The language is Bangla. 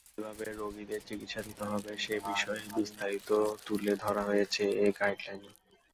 কিভাবে রোগীদের চিকিৎসা দিতে হবে সে বিষয়ে বিস্তারিত তুলে ধরা হয়েছে এই গাইডলাইনে।